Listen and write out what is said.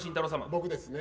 僕ですね。